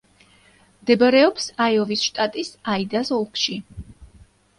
მდებარეობს აიოვის შტატის აიდას ოლქში.